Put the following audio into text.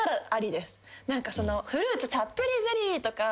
「フルーツたっぷりゼリー」とか。